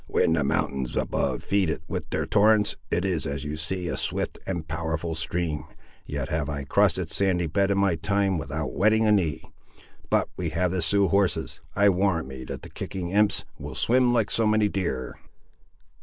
"When the mountains above feed it with their torrents, it is, as you see, a swift and powerful stream. Yet have I crossed its sandy bed, in my time, without wetting a knee. But we have the Sioux horses; I warrant me, that the kicking imps will swim like so many deer."